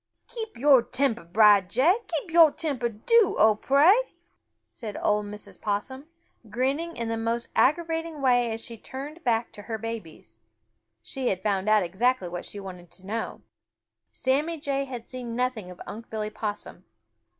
"Keep your temper, Brer Jay! Keep your temper, do, Oh pray!" said old Mrs. Possum, grinning in the most aggravating way as she turned back to her babies. She had found out what she wanted to know Sammy Jay had seen nothing of Unc' Billy Possum.